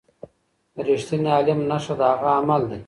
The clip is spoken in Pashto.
د رښتیني عالم نښه د هغه عمل دی.